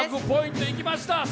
５００ポイントいきました。